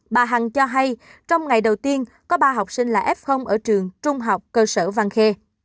bà hằng cho hay trong ngày đầu tiên có ba học sinh là f ở trường trung học cơ sở văn khê